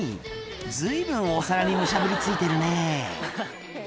随分お皿にむしゃぶりついてるね